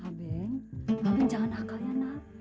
abeng abeng jangan akal ya nak